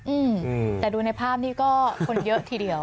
อืมแต่ดูในภาพนี้ก็คนเยอะทีเดียว